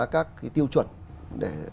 các cái tiêu chuẩn để